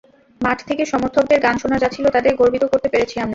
মাঠ থেকে সমর্থকদের গান শোনা যাচ্ছিল, তাঁদের গর্বিত করতে পেরেছি আমরা।